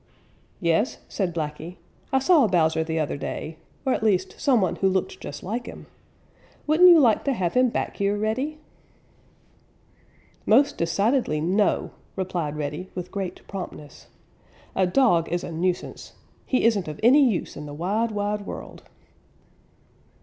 "Yes," said Blacky, "I saw Bowser the other day, or at least some one who looked just like him. Wouldn't you like to have him back here, Reddy?" "Most decidedly no," replied Reddy with great promptness. "A dog is a nuisance. He isn't of any use in the wide, wide world."